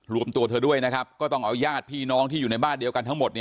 รวมตัวเธอด้วยนะครับก็ต้องเอาญาติพี่น้องที่อยู่ในบ้านเดียวกันทั้งหมด